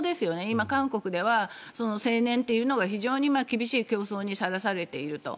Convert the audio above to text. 今、韓国では青年というのが非常に厳しい競争にさらされていると。